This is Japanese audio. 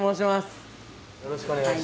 よろしくお願いします。